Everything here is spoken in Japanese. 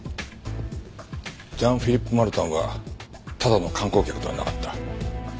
ジャン・フィリップ・マルタンはただの観光客ではなかった。